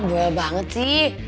bawel banget sih